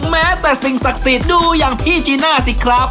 แม้แต่สิ่งศักดิ์สิทธิ์ดูอย่างพี่จีน่าสิครับ